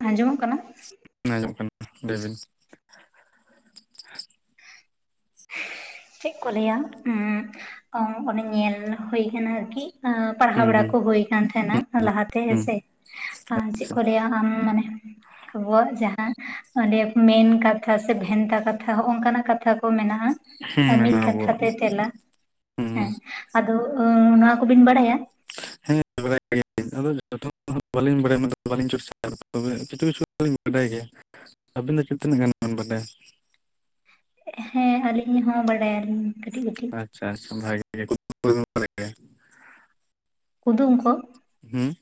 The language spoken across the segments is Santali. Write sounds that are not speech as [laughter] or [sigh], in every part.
ᱟᱸᱡᱚᱢᱚᱜ ᱠᱟᱱᱟ? [inaudible] ᱢᱮ ᱟᱸᱡᱚᱜᱚᱜ ᱠᱟᱱᱟ ᱞᱟᱹᱭᱵᱤᱱ? ᱪᱮᱜ ᱠᱚ ᱞᱟᱹᱭᱟ [inaudible] ᱚᱱᱮ ᱧᱮᱞ ᱦᱳᱭ ᱠᱟᱱᱟ ᱟᱨᱠᱤ ᱾ ᱟᱹ ᱯᱟᱲᱦᱟᱣ ᱦᱩᱸ ᱵᱟᱲᱟ ᱦᱩᱸ ᱠᱚ ᱦᱳᱭ ᱠᱟᱱ ᱛᱟᱦᱮᱸᱱᱟ ᱦᱩᱸ ᱞᱟᱦᱟᱛᱮ ᱦᱩᱸ ᱦᱮᱸᱥᱮ ᱾ ᱟᱻ ᱪᱮᱫ ᱠᱚ ᱞᱟᱹᱭᱟ ᱟᱢ ᱢᱟᱱᱮ ᱟᱵᱚᱣᱟᱜ ᱡᱟᱦᱟᱸ ᱚᱸᱰᱮ ᱢᱮᱱ ᱠᱟᱛᱷᱟ ᱥᱮ ᱵᱷᱮᱱᱛᱟ ᱠᱟᱛᱷᱟ ᱦᱚᱜᱼᱚᱝ ᱠᱟᱱᱟᱜ ᱠᱟᱛᱷᱟ ᱠᱚ ᱢᱮᱱᱟᱜᱼᱟ ᱾ ᱦᱩᱸ ᱢᱤᱫ ᱢᱮᱱᱟ ᱠᱟᱛᱷᱟ ᱟᱵᱚᱣᱟᱜ ᱛᱮ ᱛᱮᱞᱟ ᱦᱩᱸ ᱦᱮᱸ ᱟᱫᱚ [inaudible] ᱱᱚᱣᱟ ᱠᱚᱵᱤᱱ ᱵᱟᱲᱟᱭᱟ? ᱦᱮᱸ ᱵᱟᱰᱟᱭ ᱟᱫᱚ ᱡᱚᱛᱚ ᱫᱚᱦᱟᱜ ᱵᱟᱹᱞᱤᱧ ᱵᱟᱲᱟᱭᱟ ᱢᱮᱱᱫᱚ ᱵᱟᱹᱞᱤᱧ ᱪᱚᱨᱪᱟ ᱠᱟᱫᱟ ᱛᱚᱵᱮ ᱠᱤᱪᱷᱩ ᱠᱤᱪᱷᱩ ᱞᱤᱧ ᱵᱟᱰᱟᱭ ᱜᱮᱭᱟ ᱾ ᱟᱵᱤᱱ ᱫᱚ ᱪᱮᱫ ᱛᱤᱱᱟᱹᱜ ᱜᱟᱱ ᱢᱮᱱ ᱵᱟᱰᱮᱟ? ᱦᱮᱸ ᱟᱹᱞᱤᱧ ᱦᱚᱸ ᱵᱟᱰᱟᱭ ᱟᱹᱞᱤᱧ ᱠᱟᱹᱴᱤᱡ ᱠᱟᱹᱴᱤᱡ ᱟᱪᱪᱷᱟ ᱟᱪᱪᱷᱟ ᱵᱷᱟᱜᱮ [inaudible] ᱠᱩᱫᱩᱢ ᱠᱚ? ᱦᱩᱸ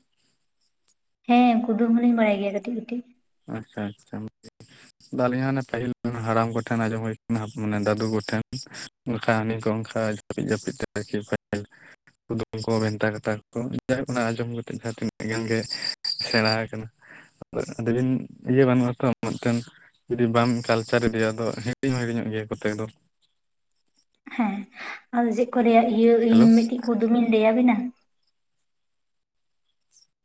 ᱦᱮᱸ ᱠᱩᱫᱩᱢ ᱦᱚᱞᱤᱧ ᱵᱟᱲᱟᱭ ᱜᱮᱭᱟ ᱠᱟᱹᱴᱤᱡ ᱠᱟᱹᱴᱤᱡ ᱾ ᱟᱪᱷᱟ ᱟᱪᱷᱟ [inaudible] ᱫᱟ ᱟᱹᱞᱤᱧ ᱦᱟᱱᱮ ᱯᱟᱹᱦᱤᱞ ᱨᱮᱱ ᱦᱟᱲᱟᱢ ᱠᱚᱴᱷᱮᱱ ᱟᱸᱡᱚᱢ ᱦᱳᱭ ᱠᱟᱱᱟ ᱢᱟᱱᱮ ᱫᱟᱹᱫᱩ ᱠᱚᱴᱷᱮᱱ ᱾ ᱱᱩᱝᱠᱟ [inaudible] ᱚᱱᱠᱟ ᱡᱟᱹᱯᱤᱫ ᱡᱟᱹᱯᱤᱫ ᱛᱮ ᱟᱨᱠᱤ [inaudible] ᱠᱩᱫᱩᱢ ᱠᱚ ᱵᱷᱮᱱᱛᱟ ᱠᱟᱛᱟᱷᱟ ᱠᱚ [inaudible] ᱟᱸᱡᱚᱢ ᱠᱟᱛᱮᱜ ᱡᱟᱦᱟᱸ ᱛᱤᱱᱟᱹᱜ ᱜᱟᱱ ᱜᱮ ᱥᱮᱬᱟ ᱟᱠᱟᱱᱟ ᱾ ᱟᱫᱚ ᱟᱹᱵᱤᱱ ᱤᱭᱟᱹ ᱵᱟᱹᱱᱩᱜᱼᱟᱛᱚ ᱢᱤᱫᱴᱮᱱ ᱡᱩᱫᱤ ᱵᱟᱢ ᱠᱟᱞᱪᱟᱨ ᱤᱫᱤᱭᱟ ᱟᱫᱚ ᱦᱤᱲᱤᱧ ᱦᱚᱸ ᱦᱤᱲᱤᱧᱚᱜ ᱜᱮᱭᱟ ᱠᱚᱛᱮᱠ ᱫᱚ ᱾ ᱦᱮᱸ ᱟᱫᱚ ᱪᱮᱜ ᱠᱚ ᱤᱭᱟᱹ ᱤᱧ ᱦᱮᱞᱳ ᱢᱤᱫᱴᱤᱡ ᱠᱩᱫᱩᱢ ᱤᱧ ᱞᱟᱹᱭᱟᱵᱤᱱᱟ?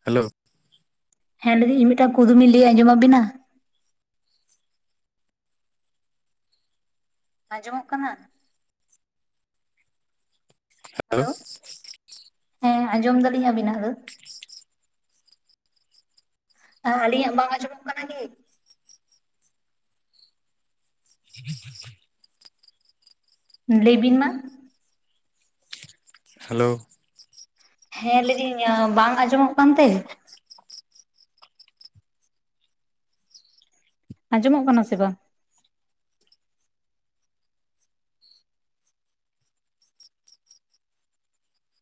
ᱦᱮᱞᱳ, ᱦᱮᱸ ᱞᱟᱹᱭ ᱫᱤᱧ ᱤᱧ ᱢᱤᱫᱴᱟᱝ ᱠᱩᱫᱩᱢ ᱤᱧ ᱞᱟᱹᱭ ᱟᱸᱡᱚᱢᱟᱵᱤᱱᱟ? ᱟᱸᱡᱚᱢᱚᱜ ᱠᱟᱱᱟ? ᱦᱮᱞᱳ, ᱦᱮᱸ ᱟᱸᱡᱚᱢ ᱫᱟᱞᱤᱧ ᱟᱹᱵᱤᱱᱟ ᱫᱚ ᱾ ᱟᱻ ᱟᱹᱞᱤᱧᱟᱜ ᱵᱟᱝ ᱟᱸᱡᱚᱢᱚᱜ ᱠᱟᱱᱟ ᱠᱤ? [inaudible] ᱞᱟᱹᱭ ᱵᱤᱱ ᱢᱟ᱾ ᱦᱮᱞᱳ᱾ ᱦᱮᱸ ᱞᱟᱹᱭ ᱫᱤᱧ ᱵᱟᱝ ᱟᱸᱡᱚᱢᱚᱜ ᱠᱟᱱ ᱛᱮ ᱟᱸᱡᱚᱢᱚᱜ ᱠᱟᱱᱟ ᱥᱮ ᱵᱟᱝ?